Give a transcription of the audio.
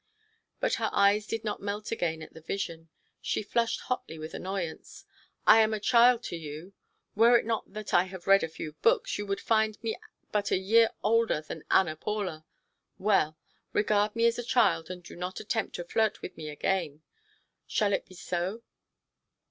But her eyes did not melt again at the vision. She flushed hotly with annoyance. "I am a child to you! Were it not that I have read a few books, you would find me but a year older than Ana Paula. Well! Regard me as a child and do not attempt to flirt with me again. Shall it be so?"